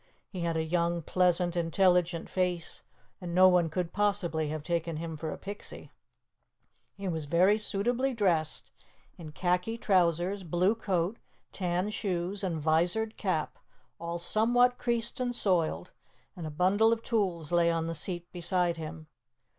He had a young, pleasant, intelligent face, and no one could possibly have taken him for a Pixie. He was very suitably dressed in khaki trousers, blue coat, tan shoes, and visored cap, all somewhat creased and soiled, and a bundle of tools lay on the seat beside him.